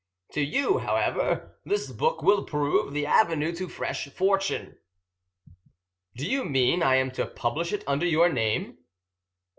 To you, however, this book will prove the avenue to fresh fortune." "Do you mean I am to publish it under your name?"